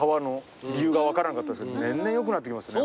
年々良くなってきましたね。